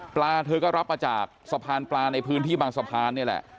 เธอก็รับมาจากสะพานปลาในพื้นที่บางสะพานนี่แหละ